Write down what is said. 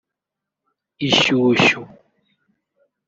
ishyushyu